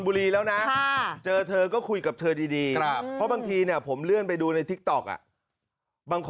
นึกว่าอยากไปติดถังนึกว่าอยากไปติดถัง